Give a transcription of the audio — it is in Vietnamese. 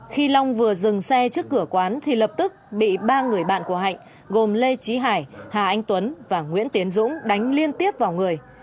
khi long vừa dừng xe trước cửa quán thì lập tức bị ba người bạn của hạnh gồm lê trí hải hà anh tuấn và nguyễn tiến dũng đánh liên tiếp vào người